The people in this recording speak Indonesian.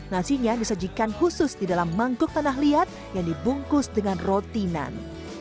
nasinya disajikan khusus di dalam mangkuk tanah liat yang dibungkus dengan rotinan